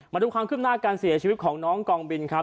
มาดูความขึ้นหน้าการเสียชีวิตของน้องกองบินครับ